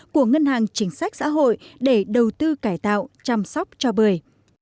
của ngân hàng chính sách xã hội để đầu tư cải tạo chăm sóc cho bưởi